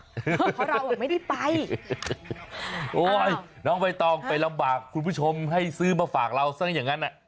เพราะเราไม่ได้ไปโอ้ยน้องใบตองไปลำบากคุณผู้ชมให้ซื้อมาฝากเราซะอย่างนั้นอ่ะ